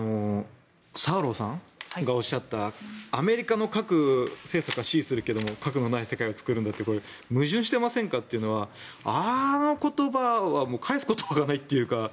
サーローさんがおっしゃったアメリカの核政策は支持するけれども核のない世界を作るんだって矛盾していませんかって言葉はあの言葉は返す言葉がないというか。